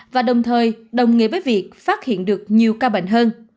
và đồng thời đồng nghĩa với việc phát hiện được nhiều ca bệnh hơn